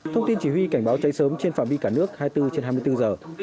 thông tin chỉ huy cảnh báo cháy sớm trên phạm vi cả nước hai mươi bốn trên hai mươi bốn giờ